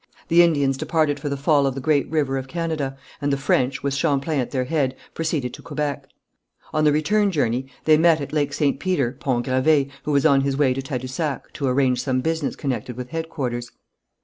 The Indians departed for the fall of the great river of Canada, and the French, with Champlain at their head, proceeded to Quebec. On the return journey they met at Lake St. Peter, Pont Gravé, who was on his way to Tadousac, to arrange some business connected with headquarters.